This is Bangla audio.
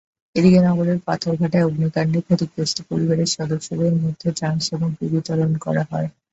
এদিকে নগরের পাথরঘাটায় অগ্নিকাণ্ডে ক্ষতিগ্রস্ত পরিবারের সদস্যদের মধ্যে ত্রাণসামগ্রী বিতরণ করা হয়।